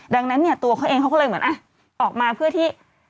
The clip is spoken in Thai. ดังนั้นเนี่ยตัวเขาเองเขาก็เลยเหมือนออกมาเพื่อที่